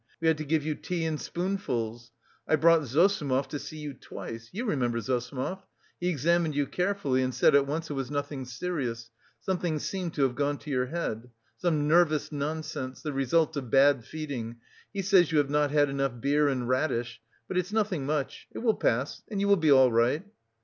We had to give you tea in spoonfuls. I brought Zossimov to see you twice. You remember Zossimov? He examined you carefully and said at once it was nothing serious something seemed to have gone to your head. Some nervous nonsense, the result of bad feeding, he says you have not had enough beer and radish, but it's nothing much, it will pass and you will be all right.